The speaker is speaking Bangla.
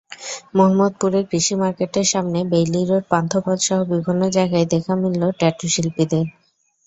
মোহাম্মদপুরের কৃষি মার্কেটের সামনে, বেইলি রোড, পান্থপথসহ বিভিন্ন জায়গায় দেখা মিলল ট্যাটুশিল্পীদের।